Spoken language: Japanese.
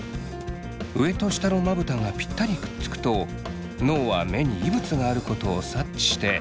上と下のまぶたがピッタリくっつくと脳は目に異物があることを察知して涙を出します。